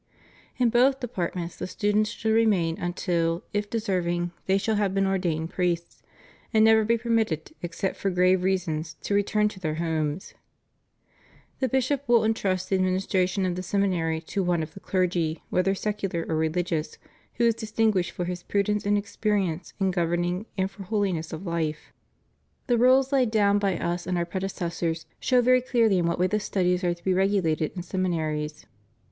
In both departments the students should remain until, if deserving, they shall have been ordained priests, and never be permitted, except for grave reasons, to return to their homes. The bishop will en trust the administration of the seminary to one of the clergy, whether secular or religious, who is distinguished for his prudence and experience in governing and for holiness of fife. The rules laid down by Us and Our predecessors show very clearly in what way the studies are to be regulated in seminaries.